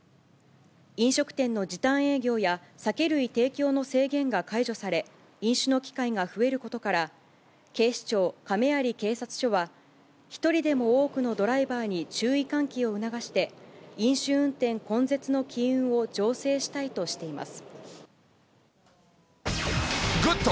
飲食店の時短営業や、酒類提供の制限が解除され、飲酒の機会が増えることから、警視庁亀有警察署は、１人でも多くのドライバーに注意喚起を促して、飲酒運転根絶の機運を醸成したいとしています。